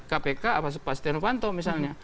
kpk pak setia novanto misalnya